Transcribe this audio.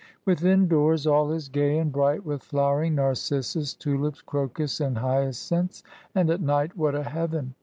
Within doors, all is gay and bright with flowering narcissus, tulips, crocus, and hyacinths. And at night, what a heaven